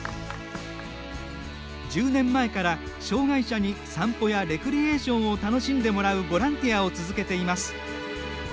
１０年前から障がい者に散歩やレクリエーションを楽しんでもらうボランティアを続けています。